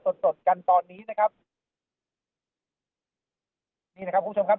กินดอนเมืองในช่วงเวลาประมาณ๑๐นาฬิกานะครับ